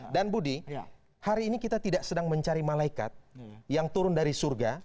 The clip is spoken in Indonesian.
dan budi hari ini kita tidak sedang mencari malaikat yang turun dari surga